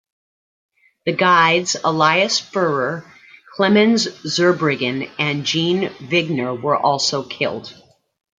The guides Elias Furrer, Clemenz Zurbriggen and Jean Vuignier were also killed.